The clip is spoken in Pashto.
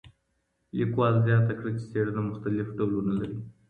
لیکوال زیاته کړه چي څېړنه مختلف ډولونه لري.